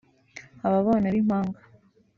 Aba bana b’impanga